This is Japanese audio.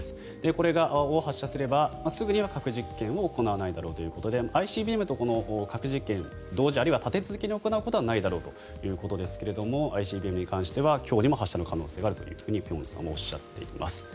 これを発射すればすぐには核実験を行わないだろうということでＩＣＢＭと核実験同時あるいは立て続けに行うことはないだろうということですがＩＣＢＭに関しては今日にも発射の可能性があるというふうに辺さんはおっしゃっています。